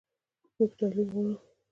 موږ تعلیم غواړو